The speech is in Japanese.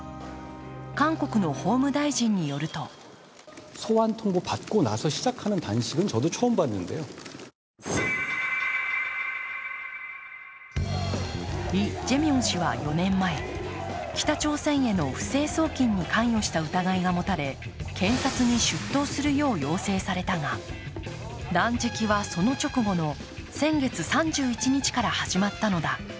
韓国の法務大臣によるとイ・ジェミョン氏は４年前、北朝鮮への不正送金に関与した疑いが持たれ検察に出頭するよう要請されたが、断食はその直後の先月３１日から始まったのだ。